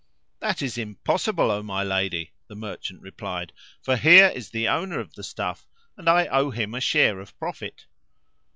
"That is impossible, O my lady," the merchant replied, "for here is the owner of the stuff and I owe him a share of profit."